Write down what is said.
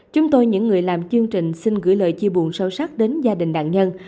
chúng tôi những người làm chương trình xin gửi lời chia buồn sâu sắc đến gia đình nạn nhân